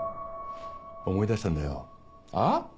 思い出したんだよあっ！